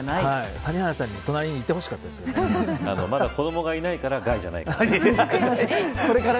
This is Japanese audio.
谷原さんに隣にいてほしかったで子どもがいないから害じゃないから。